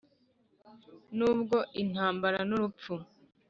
nubwo intambara, n'urupfu! "